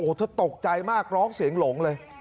เธอตกใจมากร้องเสียงหลงเลย